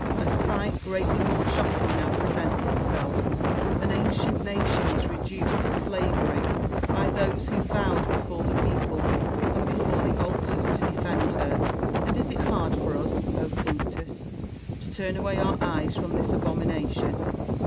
A sight greatly more shocking now presents itself : an ancient nation is reduced to slavery, by those who vowed before the people and before the altars to defend her. And is it hard for us, Quinctus, to turn away our eyes from this abomination